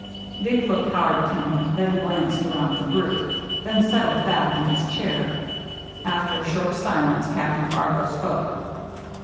Dick looked hard at him, then glanced around the group, then settled back in his chair. After a short silence, Captain Fargo spoke.